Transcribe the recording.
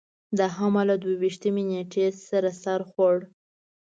د حمل له دوه ویشتمې نېټې سره سر خوړ.